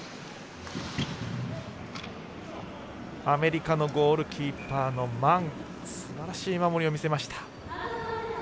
アメリカのゴールキーパーのマンすばらしい守りを見せました。